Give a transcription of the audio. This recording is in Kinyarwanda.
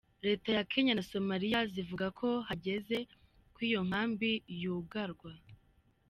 Reta ya Kenya na Somalia zivuga ko hageze ko iyo kambi yugarwa.